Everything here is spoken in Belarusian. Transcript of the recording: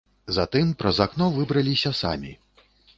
Затым праз акно выбраліся самі.